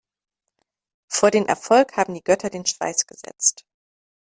Vor den Erfolg haben die Götter den Schweiß gesetzt.